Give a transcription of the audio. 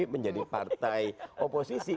menjadi partai oposisi